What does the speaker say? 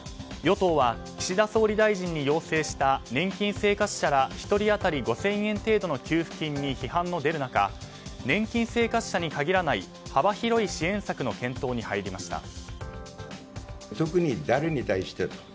与党は岸田総理大臣に要請した年金生活者ら１人当たり５０００円程度の給付金に批判の出る中年金生活者に限らない幅広い支援策の検討に入りました。